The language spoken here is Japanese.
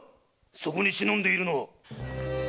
そこに忍んでいるのは？